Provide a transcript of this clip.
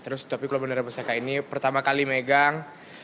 terus tapi kalau bendera pusaka ini pertama kali megang